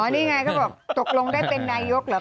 อ๋อนี่ไงเขาบอกตกลงได้เป็นนายุทธ์เหรอคะ